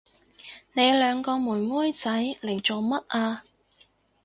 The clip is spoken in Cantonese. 你兩個妹妹仔嚟做乜啊？